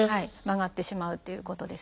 曲がってしまうっていうことですね。